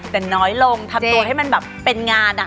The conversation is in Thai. แต่น้อยลงทำตัวให้มันแบบเป็นงานอะ